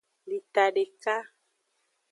Lita deka.